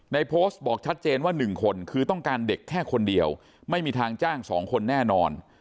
โพสต์บอกชัดเจนว่า๑คนคือต้องการเด็กแค่คนเดียวไม่มีทางจ้าง๒คนแน่นอน